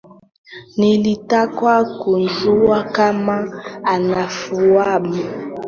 Nilitaka kujua kama anafahamu lolote kuhusu Kinjeketile Ngwale